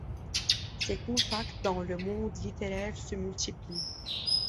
Ses contacts dans le monde littéraire se multiplient.